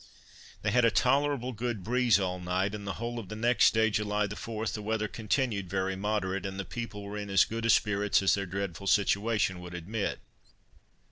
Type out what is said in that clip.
They had a tolerable good breeze all night; and the whole of the next day, July 4, the weather continued very moderate, and the people were in as good spirits as their dreadful situation would admit.